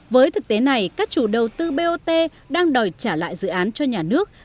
với thực tế này các chủ đầu tư bot đang đòi trả lại dự án cho nhà nước